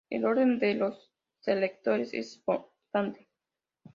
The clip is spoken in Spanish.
El orden de los selectores es importante.